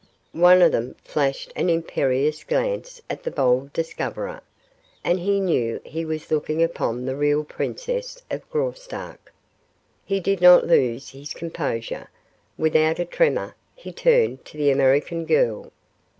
One of them flashed an imperious glance at the bold discoverer, and he knew he was looking upon the real princess of Graustark. He did not lose his composure. Without a tremor he turned to the American girl.